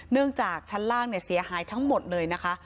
เนื่องจากชั้นล่างเสียหายทั้งหมดเลยนะคะ